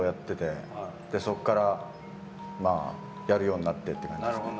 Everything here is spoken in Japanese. そこからやるようになってという感じです。